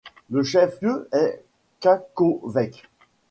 Le chef-lieu est Čakovec.